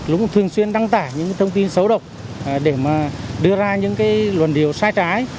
luôn thường xuyên đăng tả những cái thông tin xấu độc để mà đưa ra những cái luận điều sai trái